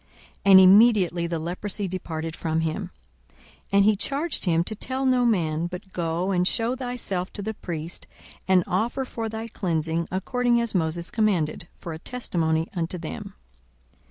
And immediately the leprosy departed from him. 42:005:014 And he charged him to tell no man: but go, and shew thyself to the priest, and offer for thy cleansing, according as Moses commanded, for a testimony unto them.